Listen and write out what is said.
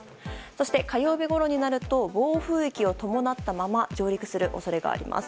そして火曜日ごろになると暴風域を伴ったまま上陸する恐れがあります。